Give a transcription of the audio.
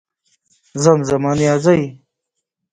زمزمه نيازۍ